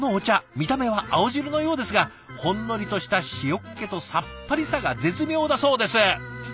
見た目は青汁のようですがほんのりとした塩っ気とさっぱりさが絶妙だそうです！